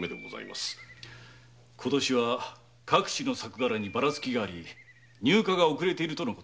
今年は各地の作柄にバラツキがあり入荷が遅れているとのこと。